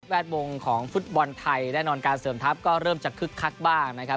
ดวงของฟุตบอลไทยแน่นอนการเสริมทัพก็เริ่มจะคึกคักบ้างนะครับ